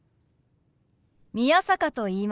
宮坂と言います。